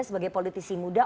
sebagai politisi muda